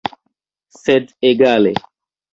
Sed egale.